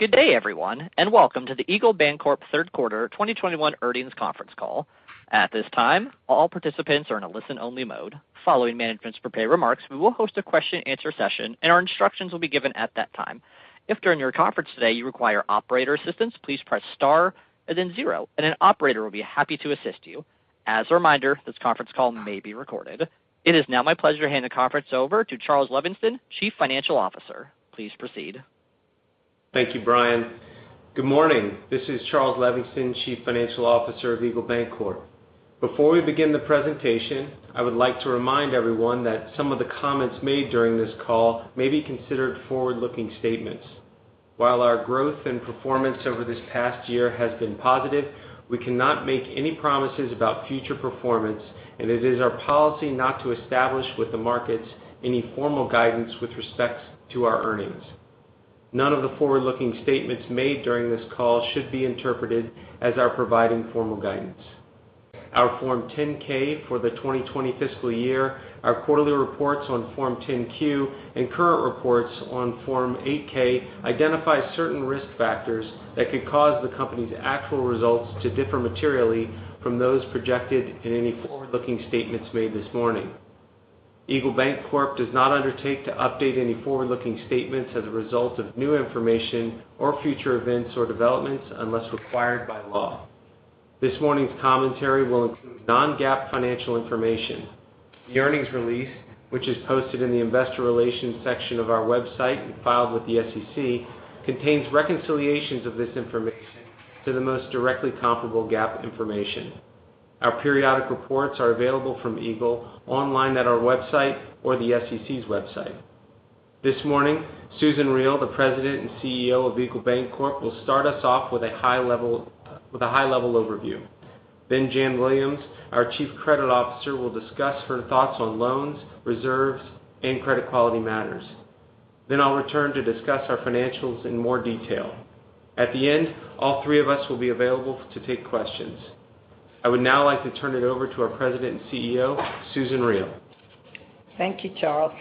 Good day, everyone, and welcome to the Eagle Bancorp Third Quarter 2021 Earnings Conference Call. It is now my pleasure to hand the conference over to Charles D. Levingston, Chief Financial Officer. Please proceed. Thank you, Brian. Good morning. This is Charles Levingston, Chief Financial Officer of Eagle Bancorp. Before we begin the presentation, I would like to remind everyone that some of the comments made during this call may be considered forward-looking statements. While our growth and performance over this past year has been positive, we cannot make any promises about future performance, and it is our policy not to establish with the markets any formal guidance with respect to our earnings. None of the forward-looking statements made during this call should be interpreted as our providing formal guidance. Our Form 10-K for the 2020 fiscal year, our quarterly reports on Form 10-Q, and current reports on Form 8-K identify certain risk factors that could cause the company's actual results to differ materially from those projected in any forward-looking statements made this morning. Eagle Bancorp does not undertake to update any forward-looking statements as a result of new information or future events or developments unless required by law. This morning's commentary will include non-GAAP financial information. The earnings release, which is posted in the investor relations section of our website and filed with the SEC, contains reconciliations of this information to the most directly comparable GAAP information. Our periodic reports are available from Eagle online at our website or the SEC's website. This morning, Susan Riel, the President and Chief Executive Officer of Eagle Bancorp, will start us off with a high-level overview. Janice Williams, our Chief Credit Officer, will discuss her thoughts on loans, reserves, and credit quality matters. I'll return to discuss our financials in more detail. At the end, all three of us will be available to take questions. I would now like to turn it over to our President and CEO, Susan Riel. Thank you, Charles.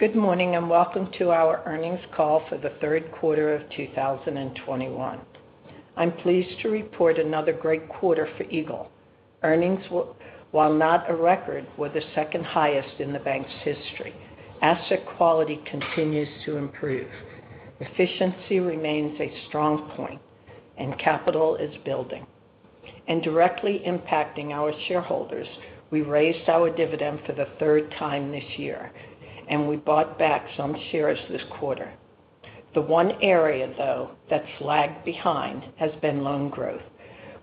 Good morning, and welcome to our earnings call for the third quarter of 2021. I'm pleased to report another great quarter for Eagle. Earnings, while not a record, were the second highest in the bank's history. Asset quality continues to improve. Efficiency remains a strong point, and capital is building. Directly impacting our shareholders, we raised our dividend for the third time this year, and we bought back some shares this quarter. The one area, though, that's lagged behind has been loan growth,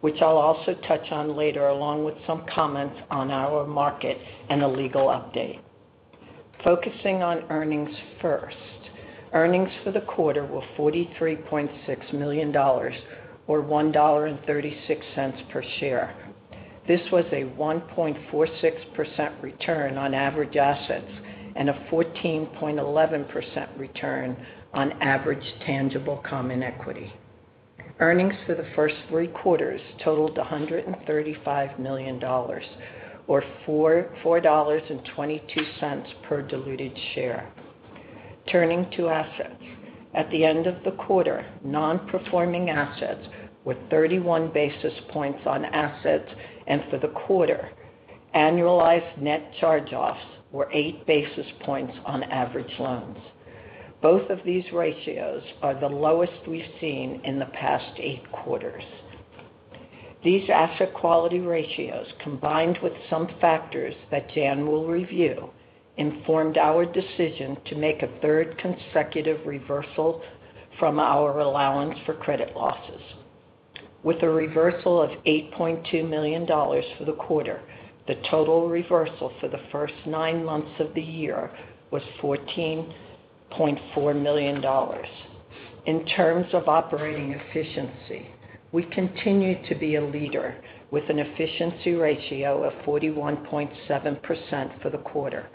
which I'll also touch on later, along with some comments on our market and a legal update. Focusing on earnings first. Earnings for the quarter were $43.6 million, or $1.36 per share. This was a 1.46% return on average assets and a 14.11% return on average tangible common equity. Earnings for the first three quarters totaled $135 million, or $4.22 per diluted share. Turning to assets. At the end of the quarter, non-performing assets were 31 basis points on assets, and for the quarter, annualized net charge-offs were eight basis points on average loans. Both of these ratios are the lowest we've seen in the past eight quarters. These asset quality ratios, combined with some factors that Jan will review, informed our decision to make a third consecutive reversal from our allowance for credit losses. With a reversal of $8.2 million for the quarter, the total reversal for the first nine months of the year was $14.4 million. In terms of operating efficiency, we continue to be a leader with an efficiency ratio of 41.7% for the quarter.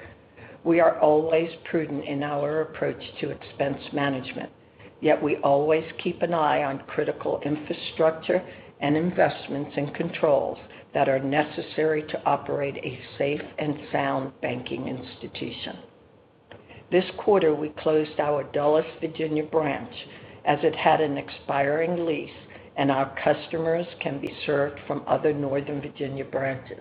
We are always prudent in our approach to expense management, yet we always keep an eye on critical infrastructure and investments in controls that are necessary to operate a safe and sound banking institution. This quarter, we closed our Dulles, Virginia branch, as it had an expiring lease, and our customers can be served from other Northern Virginia branches.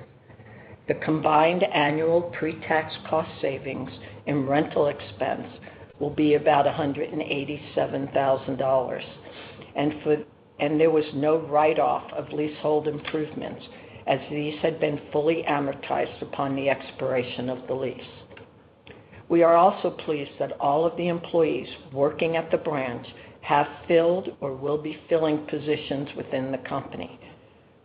The combined annual pre-tax cost savings in rental expense will be about $187,000, and there was no write-off of leasehold improvements, as these had been fully amortized upon the expiration of the lease. We are also pleased that all of the employees working at the branch have filled or will be filling positions within the company.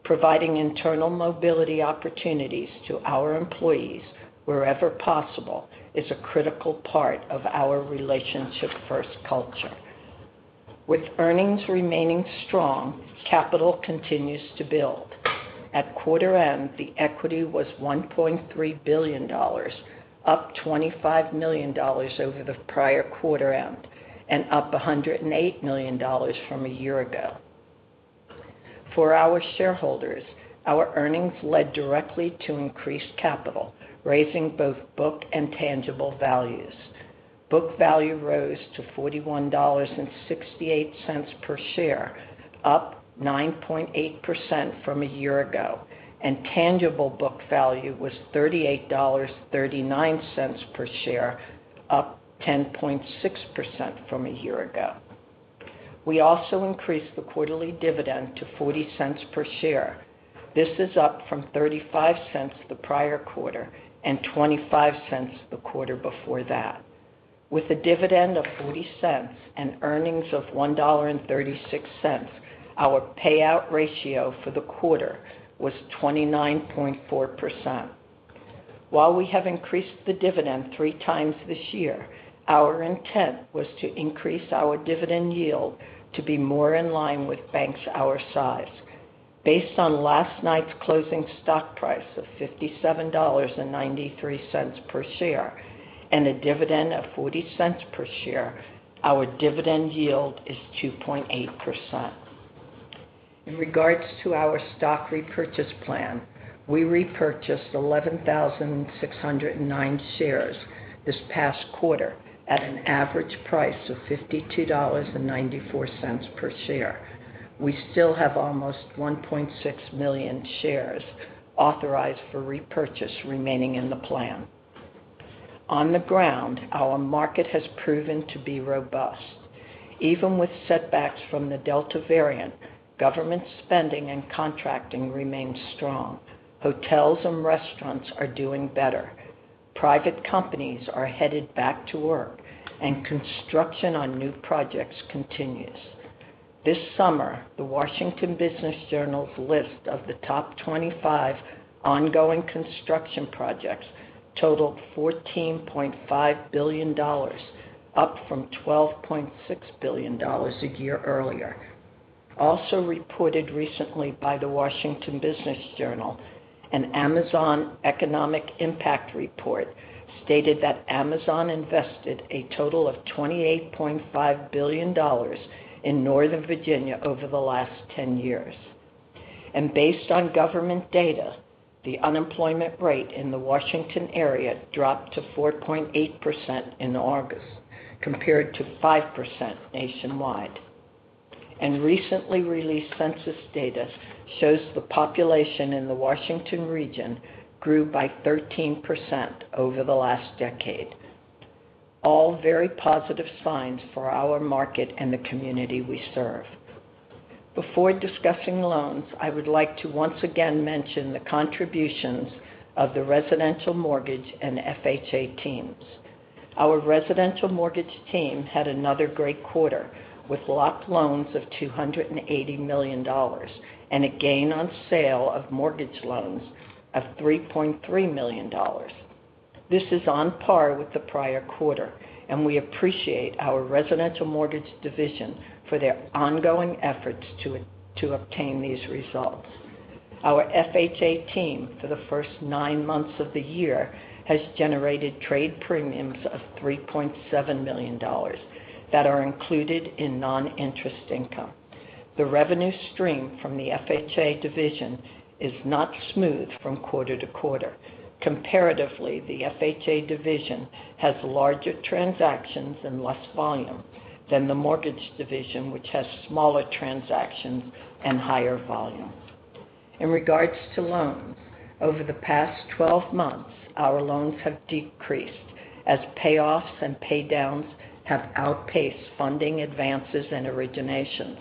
Providing internal mobility opportunities to our employees wherever possible is a critical part of our relationship-first culture. With earnings remaining strong, capital continues to build. At quarter end, the equity was $1.3 billion, up $25 million over the prior quarter end, and up $108 million from a year ago. For our shareholders, our earnings led directly to increased capital, raising both book and tangible values. Book value rose to $41.68 per share, up 9.8% from a year ago, and tangible book value was $38.39 per share, up 10.6% from a year ago. We also increased the quarterly dividend to $0.40 per share. This is up from $0.35 the prior quarter and $0.25 the quarter before that. With a dividend of $0.40 and earnings of $1.36, our payout ratio for the quarter was 29.4%. While we have increased the dividend three times this year, our intent was to increase our dividend yield to be more in line with banks our size. Based on last night's closing stock price of $57.93 per share and a dividend of $0.40 per share, our dividend yield is 2.8%. In regards to our stock repurchase plan, we repurchased 11,609 shares this past quarter at an average price of $52.94 per share. We still have almost 1.6 million shares authorized for repurchase remaining in the plan. On the ground, our market has proven to be robust. Even with setbacks from the Delta variant, government spending and contracting remains strong. Hotels and restaurants are doing better. Private companies are headed back to work, construction on new projects continues. This summer, the Washington Business Journal's list of the top 25 ongoing construction projects totaled $14.5 billion, up from $12.6 billion a year earlier. Also reported recently by the Washington Business Journal, an Amazon economic impact report stated that Amazon invested a total of $28.5 billion in Northern Virginia over the last 10 years. Based on government data, the unemployment rate in the Washington area dropped to 4.8% in August, compared to 5% nationwide. Recently released census data shows the population in the Washington region grew by 13% over the last decade. All very positive signs for our market and the community we serve. Before discussing loans, I would like to once again mention the contributions of the residential mortgage and FHA teams. Our residential mortgage team had another great quarter with locked loans of $280 million and a gain on sale of mortgage loans of $3.3 million. This is on par with the prior quarter. We appreciate our residential mortgage division for their ongoing efforts to obtain these results. Our FHA team for the first nine months of the year has generated trade premiums of $3.7 million that are included in non-interest income. The revenue stream from the FHA division is not smooth from quarter to quarter. Comparatively, the FHA division has larger transactions and less volume than the mortgage division, which has smaller transactions and higher volume. In regards to loans, over the past 12 months, our loans have decreased as payoffs and paydowns have outpaced funding advances and originations.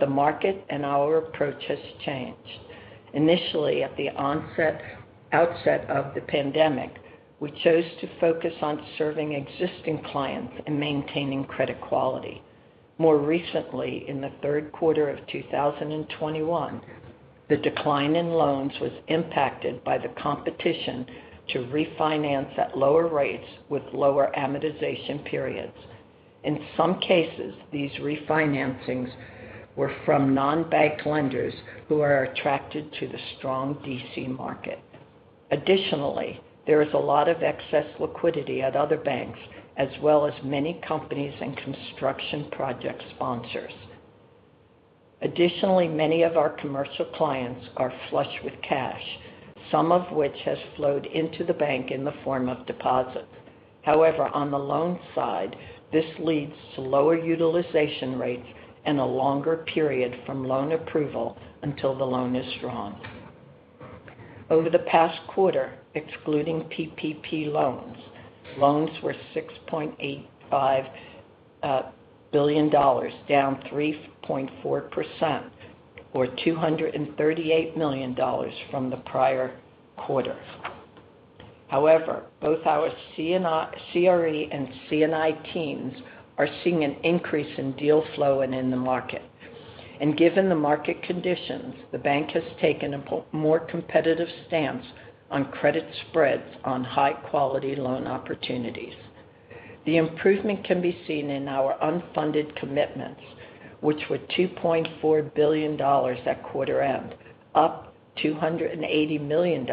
The market and our approach has changed. Initially, at the outset of the pandemic, we chose to focus on serving existing clients and maintaining credit quality. More recently, in the third quarter of 2021, the decline in loans was impacted by the competition to refinance at lower rates with lower amortization periods. In some cases, these refinancings were from non-bank lenders who are attracted to the strong D.C. market. Additionally, there is a lot of excess liquidity at other banks as well as many companies and construction project sponsors. Additionally, many of our commercial clients are flush with cash, some of which has flowed into the bank in the form of deposits. However, on the loan side, this leads to lower utilization rates and a longer period from loan approval until the loan is drawn. Over the past quarter, excluding PPP loans were $6.85 billion, down 3.4%, or $238 million from the prior quarter. However, both our CRE and C&I teams are seeing an increase in deal flow and in the market. Given the market conditions, the bank has taken a more competitive stance on credit spreads on high-quality loan opportunities. The improvement can be seen in our unfunded commitments, which were $2.4 billion at quarter end, up $280 million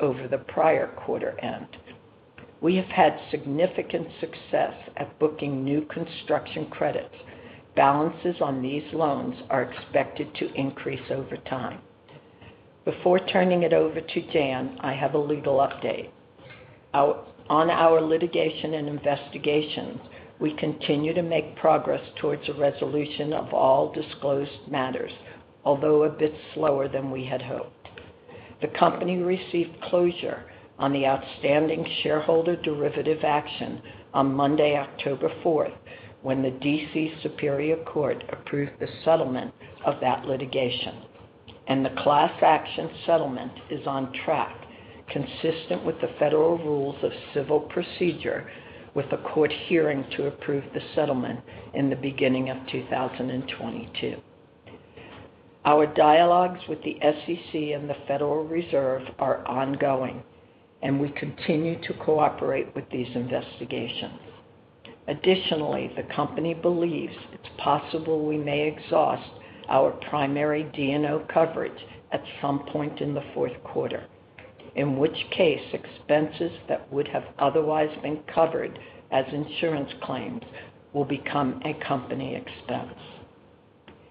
over the prior quarter end. We have had significant success at booking new construction credits. Balances on these loans are expected to increase over time. Before turning it over to Jan, I have a legal update. On our litigation and investigations, we continue to make progress towards a resolution of all disclosed matters, although a bit slower than we had hoped. The company received closure on the outstanding shareholder derivative action on Monday, 4th October, when the D.C. Superior Court approved the settlement of that litigation, and the class action settlement is on track, consistent with the Federal Rules of Civil Procedure, with a court hearing to approve the settlement in the beginning of 2022. Our dialogues with the SEC and the Federal Reserve are ongoing, and we continue to cooperate with these investigations. Additionally, the company believes it's possible we may exhaust our primary D&O coverage at some point in the fourth quarter, in which case, expenses that would have otherwise been covered as insurance claims will become a company expense.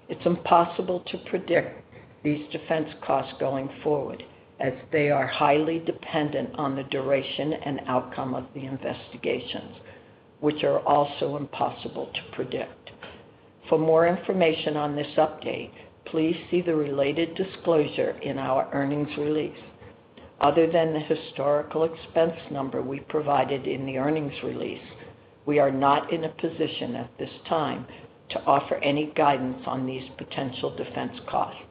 It's impossible to predict these defense costs going forward, as they are highly dependent on the duration and outcome of the investigations, which are also impossible to predict. For more information on this update, please see the related disclosure in our earnings release. Other than the historical expense number we provided in the earnings release, we are not in a position at this time to offer any guidance on these potential defense costs,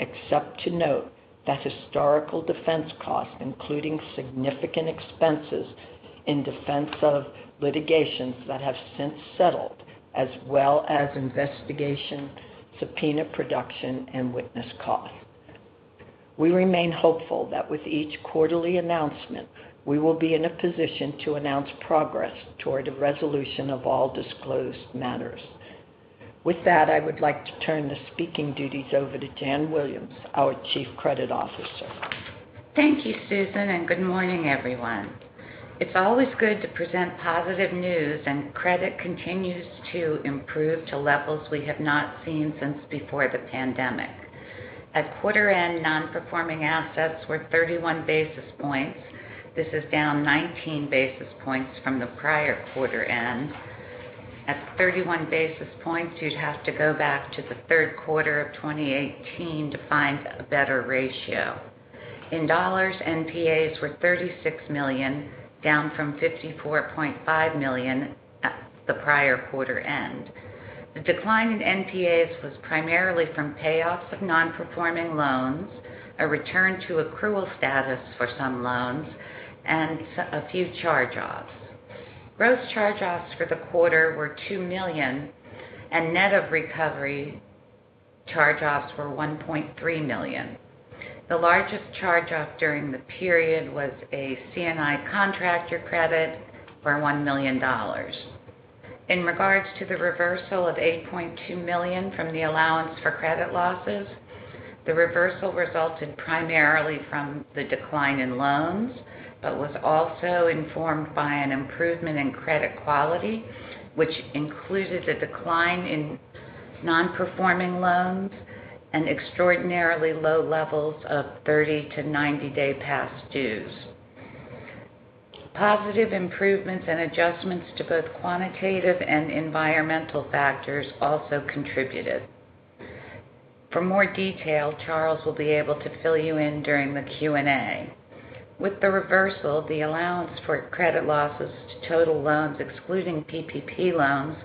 except to note that historical defense costs, including significant expenses in defense of litigations that have since settled, as well as investigation, subpoena production, and witness costs. We remain hopeful that with each quarterly announcement, we will be in a position to announce progress toward a resolution of all disclosed matters. With that, I would like to turn the speaking duties over to Janice Williams, our Chief Credit Officer. Thank you, Susan, good morning, everyone. It's always good to present positive news. Credit continues to improve to levels we have not seen since before the pandemic. At quarter end, non-performing assets were 31 basis points. This is down 19 basis points from the prior quarter end. At 31 basis points, you'd have to go back to the third quarter of 2018 to find a better ratio. In dollars, NPAs were $36 million, down from $54.5 million at the prior quarter end. The decline in NPAs was primarily from payoffs of non-performing loans, a return to accrual status for some loans, and a few charge-offs. Gross charge-offs for the quarter were $2 million. Net of recovery, charge-offs were $1.3 million. The largest charge-off during the period was a C&I contractor credit for $1 million. In regards to the reversal of $8.2 million from the allowance for credit losses, the reversal resulted primarily from the decline in loans, but was also informed by an improvement in credit quality, which included a decline in non-performing loans and extraordinarily low levels of 30 to 90-day past dues. Positive improvements and adjustments to both quantitative and environmental factors also contributed. For more detail, Charles will be able to fill you in during the Q&A. With the reversal, the allowance for credit losses to total loans, excluding PPP loans,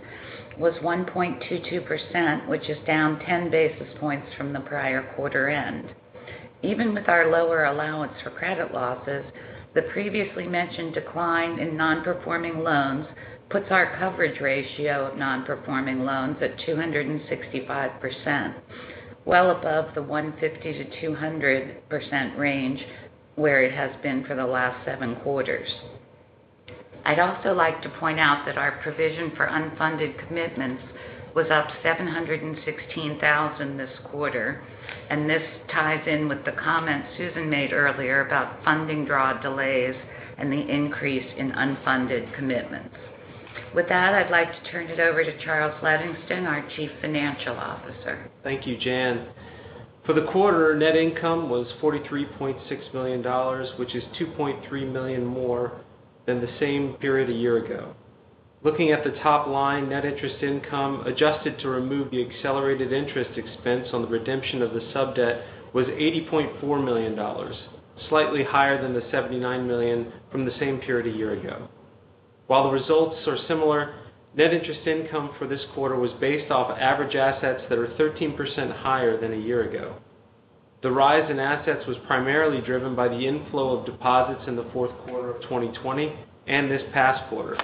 was 1.22%, which is down 10 basis points from the prior quarter end. Even with our lower allowance for credit losses, the previously mentioned decline in non-performing loans puts our coverage ratio of non-performing loans at 265%, well above the 150%-200% range, where it has been for the last seven quarters. I'd also like to point out that our provision for unfunded commitments was up $716,000 this quarter, and this ties in with the comment Susan made earlier about funding draw delays and the increase in unfunded commitments. With that, I'd like to turn it over to Charles D. Levingston, our Chief Financial Officer. Thank you, Jan. For the quarter, net income was $43.6 million, which is $2.3 million more than the same period a year ago. Looking at the top line, net interest income, adjusted to remove the accelerated interest expense on the redemption of the subdebt, was $80.4 million, slightly higher than the $79 million from the same period a year ago. While the results are similar, net interest income for this quarter was based off average assets that are 13% higher than a year ago. The rise in assets was primarily driven by the inflow of deposits in the fourth quarter of 2020 and this past quarter.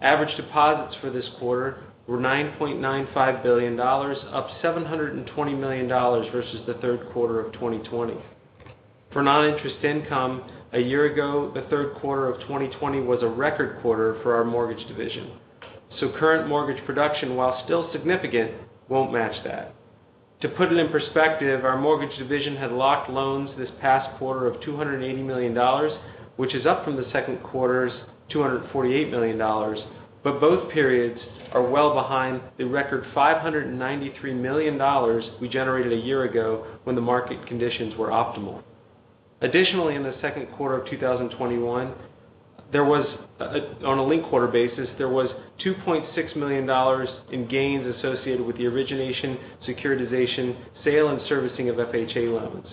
Average deposits for this quarter were $9.95 billion, up $720 million versus the third quarter of 2020. For non-interest income, a year ago, the third quarter of 2020 was a record quarter for our mortgage division. Current mortgage production, while still significant, won't match that. To put it in perspective, our mortgage division had locked loans this past quarter of $280 million, which is up from the second quarter's $248 million. Both periods are well behind the record $593 million we generated a year ago when the market conditions were optimal. Additionally, in the second quarter of 2021, on a linked-quarter basis, there was $2.6 million in gains associated with the origination, securitization, sale, and servicing of FHA loans.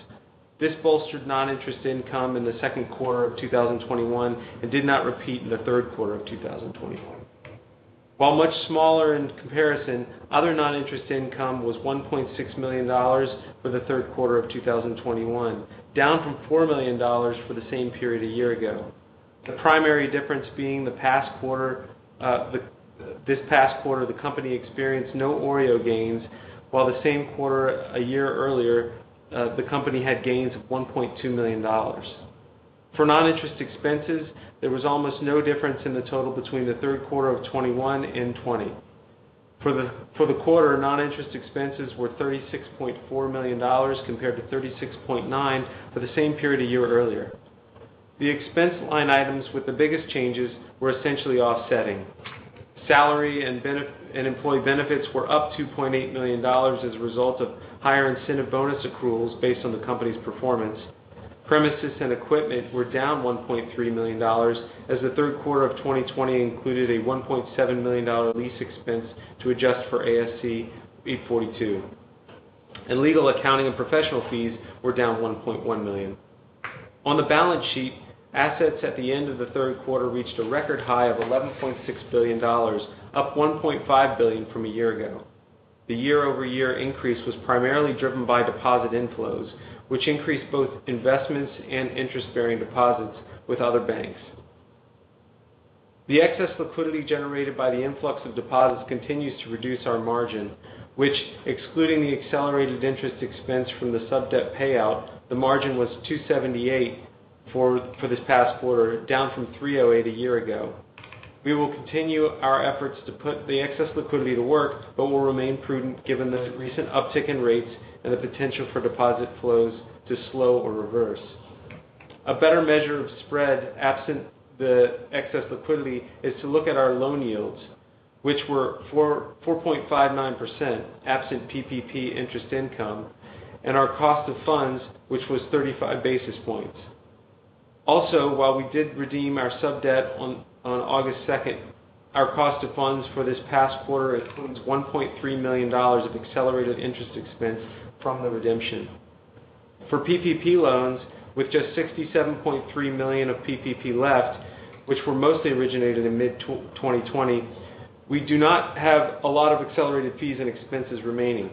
This bolstered non-interest income in the second quarter of 2021 and did not repeat in the third quarter of 2021. While much smaller in comparison, other non-interest income was $1.6 million for the third quarter of 2021, down from $4 million for the same period a year ago. The primary difference being this past quarter, the company experienced no OREO gains, while the same quarter a year earlier, the company had gains of $1.2 million. For non-interest expenses, there was almost no difference in the total between the third quarter of 2021 and 2020. For the quarter, non-interest expenses were $36.4 million, compared to $36.9 million for the same period a year earlier. The expense line items with the biggest changes were essentially offsetting. Salary and employee benefits were up $2.8 million as a result of higher incentive bonus accruals based on the company's performance. Premises and equipment were down $1.3 million as the third quarter of 2020 included a $1.7 million lease expense to adjust for ASC 842. Legal, accounting, and professional fees were down $1.1 million. On the balance sheet, assets at the end of the third quarter reached a record high of $11.6 billion, up $1.5 billion from a year ago. The year-over-year increase was primarily driven by deposit inflows, which increased both investments and interest-bearing deposits with other banks. The excess liquidity generated by the influx of deposits continues to reduce our margin, which excluding the accelerated interest expense from the sub-debt payout, the margin was 2.78% for this past quarter, down from 3.08% a year ago. We will continue our efforts to put the excess liquidity to work, but will remain prudent given the recent uptick in rates and the potential for deposit flows to slow or reverse. A better measure of spread absent the excess liquidity is to look at our loan yields, which were 4.59%, absent PPP interest income, and our cost of funds, which was 35 basis points. While we did redeem our sub-debt on 2nd August, our cost of funds for this past quarter includes $1.3 million of accelerated interest expense from the redemption. For PPP loans, with just $67.3 million of PPP left, which were mostly originated in mid-2020, we do not have a lot of accelerated fees and expenses remaining.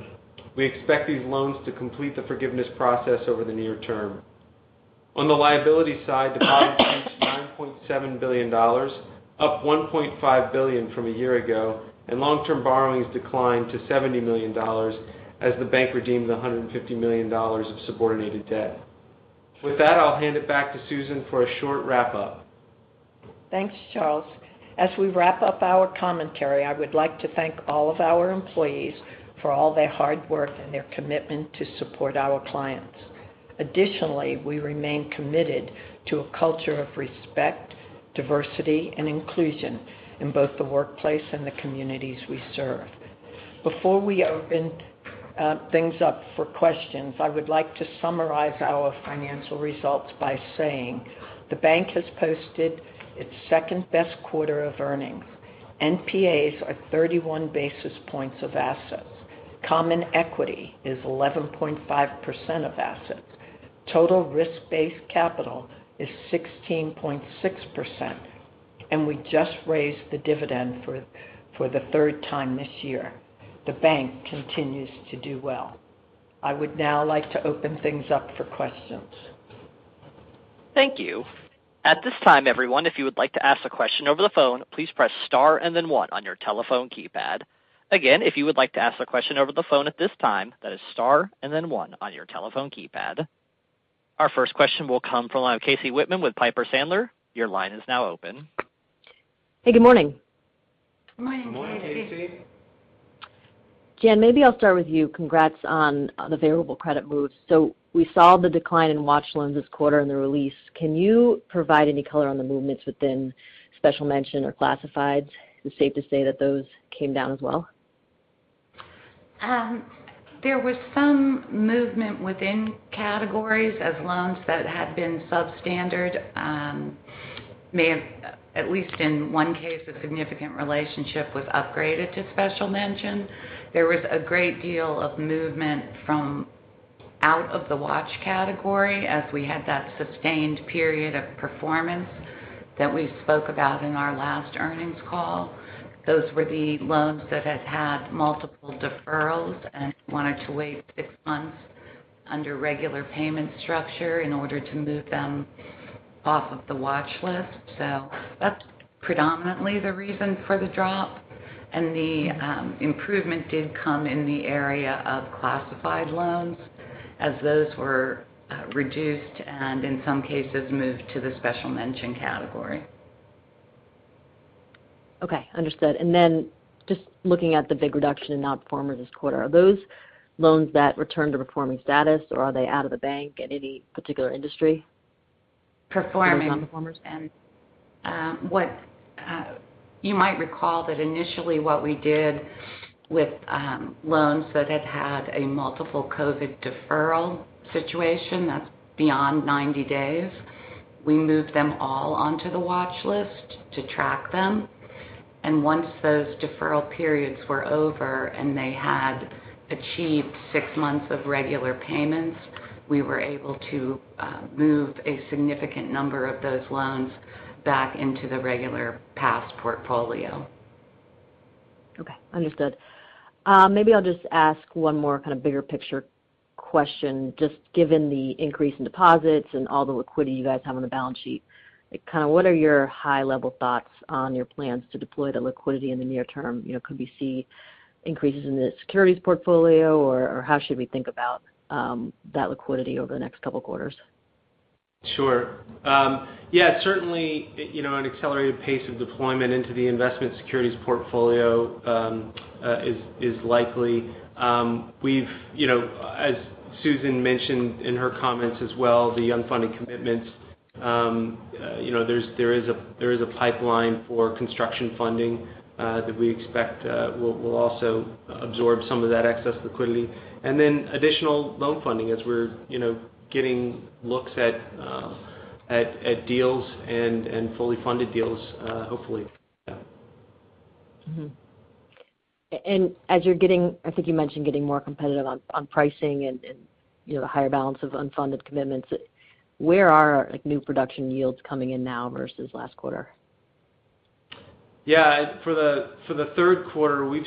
We expect these loans to complete the forgiveness process over the near term. On the liability side, deposits reached $9.7 billion, up $1.5 billion from a year ago, and long-term borrowings declined to $70 million as the bank redeemed $150 million of subordinated debt. I'll hand it back to Susan for a short wrap-up. Thanks, Charles. As we wrap up our commentary, I would like to thank all of our employees for all their hard work and their commitment to support our clients. Additionally, we remain committed to a culture of respect, diversity, and inclusion in both the workplace and the communities we serve. Before we open things up for questions, I would like to summarize our financial results by saying the bank has posted its second-best quarter of earnings. NPAs are 31 basis points of assets. Common equity is 11.5% of assets. Total risk-based capital is 16.6%, and we just raised the dividend for the third time this year. The bank continues to do well. I would now like to open things up for questions. Thank you. At this time, everyone, if you would like to ask a question over the phone, please press star and then one on your telephone keypad. Again, if you would like to ask a question over the phone at this time, that is star and then one on your telephone keypad. Our first question will come from Casey Whitman with Piper Sandler. Your line is now open. Hey, good morning. Morning, Casey. Morning, Casey. Jan, maybe I'll start with you. Congrats on the favorable credit move. We saw the decline in watch loans this quarter in the release. Can you provide any color on the movements within special mention or classifieds? Is it safe to say that those came down as well? There was some movement within categories as loans that had been substandard. At least in one case, a significant relationship was upgraded to special mention. There was a great deal of movement from out of the watch category as we had that sustained period of performance that we spoke about in our last earnings call. Those were the loans that had multiple deferrals and wanted to wait six months under regular payment structure in order to move them off of the watch list. That's predominantly the reason for the drop. The improvement did come in the area of classified loans as those were reduced and, in some cases, moved to the special mention category. Okay. Understood. Then just looking at the big reduction in nonperformers this quarter, are those loans that return to performing status, or are they out of the bank at any particular industry? Performing nonperformers. You might recall that initially what we did with loans that had had a multiple COVID deferral situation, that's beyond 90 days, we moved them all onto the watch list to track them. Once those deferral periods were over and they had achieved six months of regular payments, we were able to move a significant number of those loans back into the regular pass portfolio. Okay. Understood. Maybe I'll just ask one more kind of bigger picture question, just given the increase in deposits and all the liquidity you guys have on the balance sheet. What are your high-level thoughts on your plans to deploy the liquidity in the near term? Could we see increases in the securities portfolio, or how should we think about that liquidity over the next couple quarters? Sure. Yeah, certainly, an accelerated pace of deployment into the investment securities portfolio is likely. As Susan mentioned in her comments as well, the unfunded commitments, there is a pipeline for construction funding that we expect will also absorb some of that excess liquidity, additional loan funding as we're getting looks at deals and fully funded deals, hopefully. I think you mentioned getting more competitive on pricing and the higher balance of unfunded commitments. Where are new production yields coming in now versus last quarter? For the third quarter, we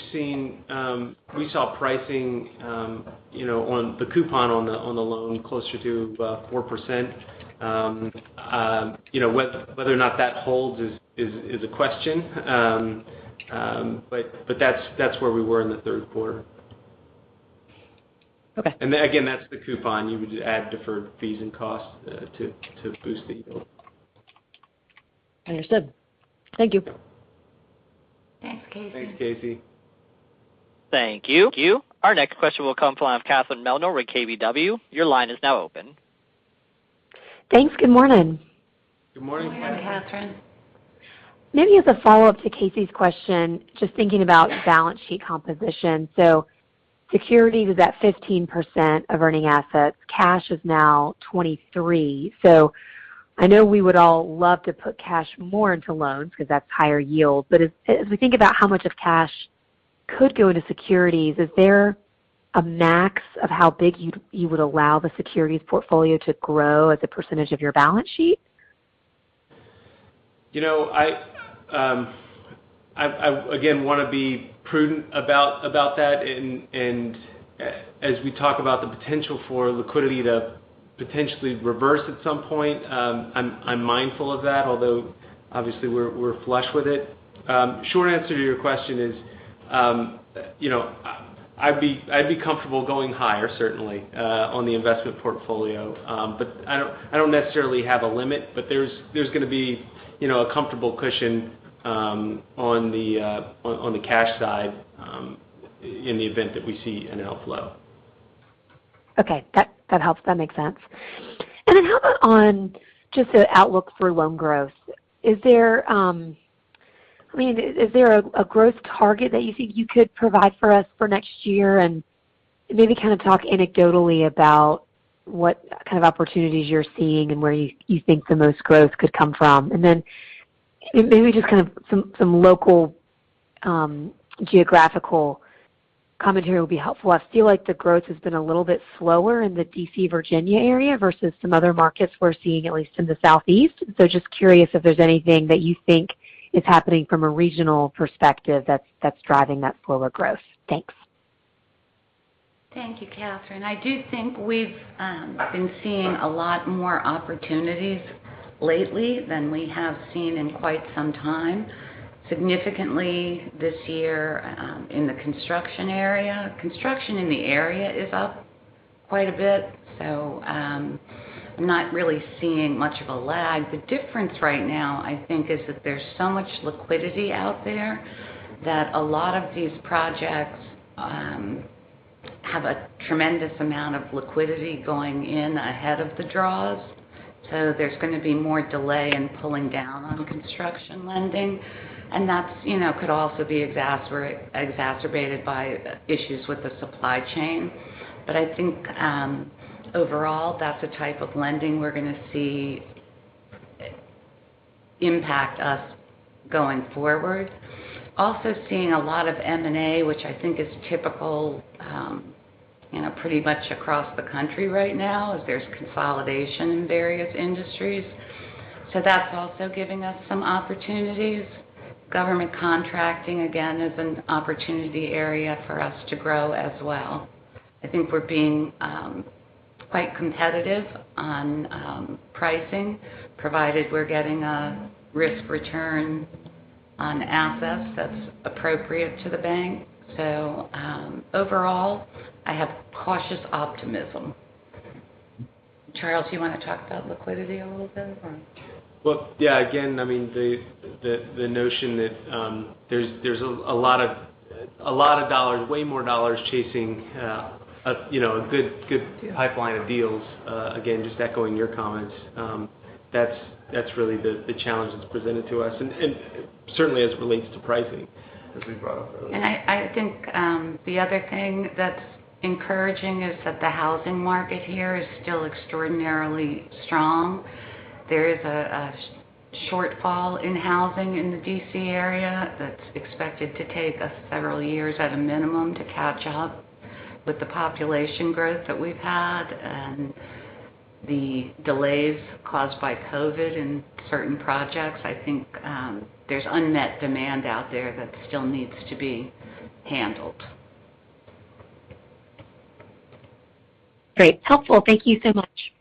saw pricing on the coupon on the loan closer to 4%. Whether or not that holds is a question. That's where we were in the third quarter. Okay. Again, that's the coupon. You would add deferred fees and costs to boost the yield. Understood. Thank you. Thanks, Casey. Thanks, Casey. Thank you. Our next question will come from Catherine Mealor with KBW. Your line is now open. Thanks. Good morning. Good morning, Catherine. Good morning, Catherine. Maybe as a follow-up to Casey's question, just thinking about balance sheet composition. Securities is at 15% of earning assets. Cash is now 23. I know we would all love to put cash more into loans because that's higher yield. As we think about how much of cash could go into securities, is there a max of how big you would allow the securities portfolio to grow as a percentage of your balance sheet? I, again, want to be prudent about that. As we talk about the potential for liquidity to potentially reverse at some point, I'm mindful of that, although obviously we're flush with it. Short answer to your question is I'd be comfortable going higher, certainly, on the investment portfolio. I don't necessarily have a limit, but there's going to be a comfortable cushion on the cash side in the event that we see an outflow. Okay. That helps. That makes sense. How about on just the outlook for loan growth. Is there a growth target that you think you could provide for us for next year? Maybe kind of talk anecdotally about what kind of opportunities you're seeing and where you think the most growth could come from. Maybe just kind of some local geographical commentary will be helpful. I feel like the growth has been a little bit slower in the D.C.-Virginia area versus some other markets we're seeing, at least in the Southeast. Just curious if there's anything that you think is happening from a regional perspective that's driving that slower growth. Thanks. Thank you, Catherine. I do think we've been seeing a lot more opportunities lately than we have seen in quite some time, significantly this year in the construction area. Construction in the area is up quite a bit. I'm not really seeing much of a lag. The difference right now, I think, is that there's so much liquidity out there that a lot of these projects have a tremendous amount of liquidity going in ahead of the draws. There's going to be more delay in pulling down on construction lending, and that could also be exacerbated by issues with the supply chain. I think overall, that's the type of lending we're going to see impact us going forward. Also seeing a lot of M&A, which I think is typical pretty much across the country right now, as there's consolidation in various industries. That's also giving us some opportunities. Government contracting, again, is an opportunity area for us to grow as well. I think we're being quite competitive on pricing, provided we're getting a risk return on assets that's appropriate to the bank. Overall, I have cautious optimism. Charles, do you want to talk about liquidity a little bit? Well, yeah. Again, the notion that there's a lot of dollars, way more dollars chasing a good pipeline of deals. Again, just echoing your comments. That's really the challenge that's presented to us, and certainly as it relates to pricing, as we brought up earlier. I think the other thing that's encouraging is that the housing market here is still extraordinarily strong. There is a shortfall in housing in the D.C. area that's expected to take us several years at a minimum to catch up with the population growth that we've had and the delays caused by COVID in certain projects. I think there's unmet demand out there that still needs to be handled. Great. Helpful. Thank you so much.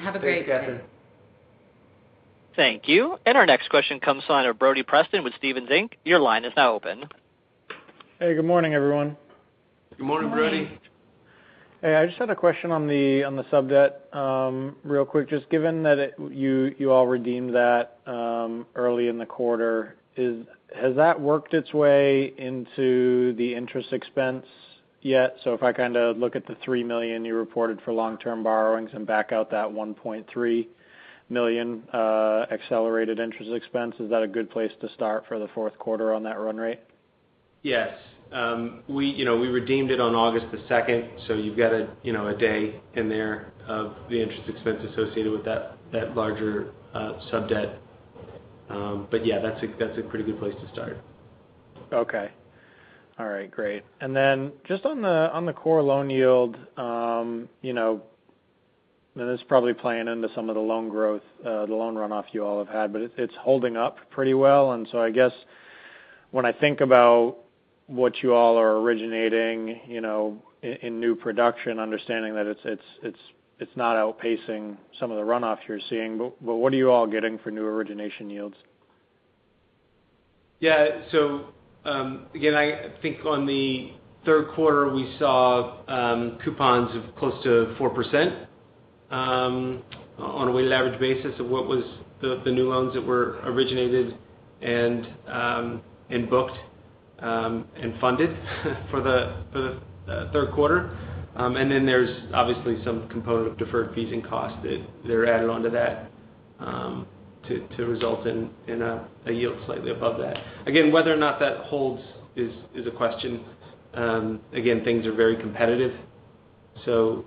Have a great day. Thanks, Catherine. Thank you. Our next question comes from Brody Preston with Stephens Inc. Your line is now open. Hey, good morning, everyone. Good morning, Brody. I just had a question on the sub-debt real quick. Given that you all redeemed that early in the quarter, has that worked its way into the interest expense yet? If I look at the $3 million you reported for long-term borrowings and back out that $1.3 million accelerated interest expense, is that a good place to start for the fourth quarter on that run rate? Yes. We redeemed it on 2nd August, so you've got a day in there of the interest expense associated with that larger sub-debt. Yeah, that's a pretty good place to start. Okay. All right, great. Then just on the core loan yield, and this is probably playing into some of the loan growth, the loan runoff you all have had, but it's holding up pretty well. So I guess when I think about what you all are originating in new production, understanding that it's not outpacing some of the runoff you're seeing, but what are you all getting for new origination yields? Yeah. Again, I think on the third quarter, we saw coupons of close to 4% on a weighted average basis of what was the new loans that were originated and booked and funded for the third quarter. Then there's obviously some component of deferred fees and costs that are added onto that to result in a yield slightly above that. Again, whether or not that holds is a question. Again, things are very competitive, so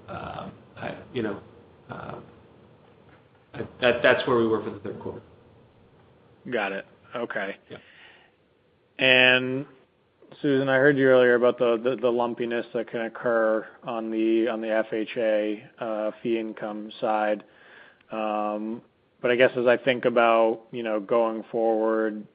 that's where we were for the third quarter. Got it. Okay. Yeah. Susan, I heard you earlier about the lumpiness that can occur on the FHA fee income side. But I guess as I think about going forward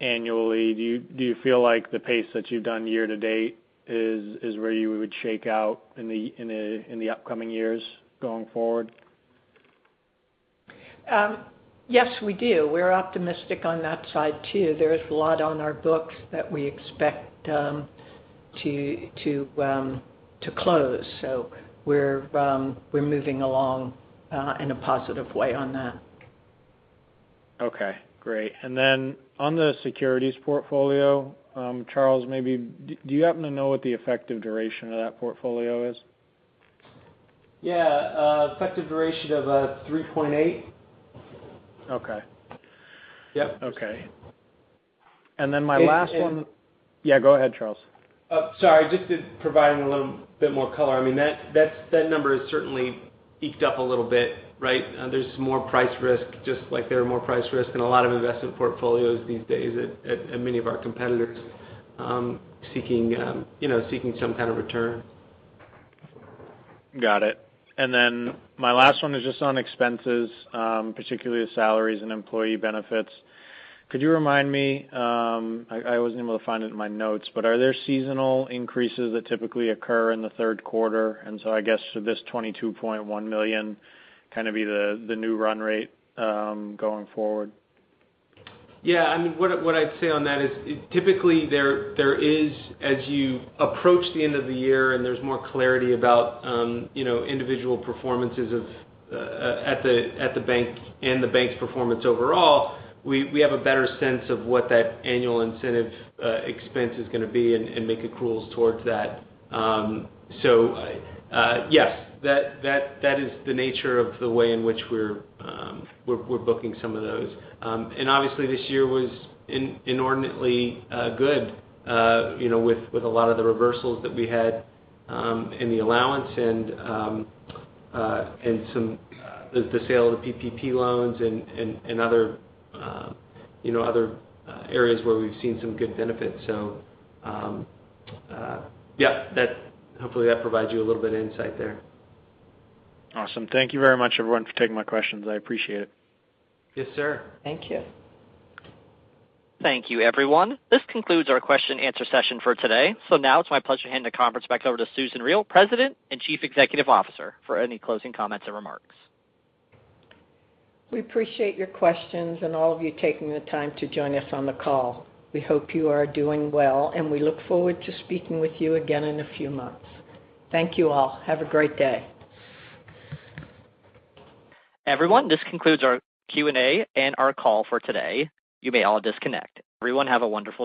annually, do you feel like the pace that you've done year to date is where you would shake out in the upcoming years going forward? Yes, we do. We're optimistic on that side too. There is a lot on our books that we expect to close. We're moving along in a positive way on that. Okay, great. On the securities portfolio, Charles, do you happen to know what the effective duration of that portfolio is? Yeah. Effective duration of 3.8. Okay. Yep. Okay. my last one. And Yeah, go ahead, Charles. Oh, sorry. Just providing a little bit more color. That number has certainly eked up a little bit, right? There's more price risk, just like there are more price risk in a lot of investment portfolios these days at many of our competitors seeking some kind of return. Got it. My last one is just on expenses, particularly the salaries and employee benefits. Could you remind me, I wasn't able to find it in my notes, but are there seasonal increases that typically occur in the third quarter? I guess should this $22.1 million kind of be the new run rate going forward? Yeah. What I'd say on that is typically there is, as you approach the end of the year and there's more clarity about individual performances at the bank and the bank's performance overall, we have a better sense of what that annual incentive expense is going to be and make accruals towards that. Yes, that is the nature of the way in which we're booking some of those. Obviously, this year was inordinately good with a lot of the reversals that we had in the allowance and the sale of the PPP loans and other areas where we've seen some good benefits. Yeah. Hopefully, that provides you a little bit of insight there. Awesome. Thank you very much everyone for taking my questions. I appreciate it. Yes, sir. Thank you. Thank you, everyone. This concludes our question-and-answer session for today. Now it's my pleasure to hand the conference back over to Susan Riel, President and Chief Executive Officer, for any closing comments or remarks. We appreciate your questions and all of you taking the time to join us on the call. We hope you are doing well, and we look forward to speaking with you again in a few months. Thank you all. Have a great day. Everyone, this concludes our Q&A and our call for today. You may all disconnect. Everyone have a wonderful day.